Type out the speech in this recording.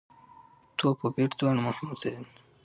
توپ او بېټ دواړه مهم وسایل دي.